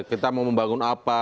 kita mau membangun apa